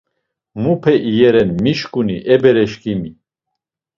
“Mupe iyeren mişǩuni e bereşǩimi!”